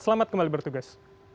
selamat kembali bertugas